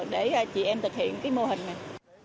để chị em thực hiện mô hình này